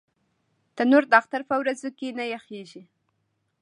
تنور د اختر پر ورځو کې نه یخېږي